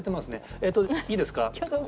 えっといいですか？